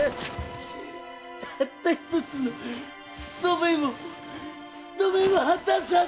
たった一つのつとめもつとめも果たさんと！